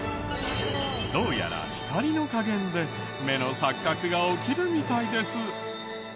どうやら光の加減で目の錯覚が起きるみたいです。